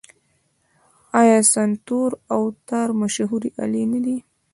آیا سنتور او تار مشهورې الې نه دي؟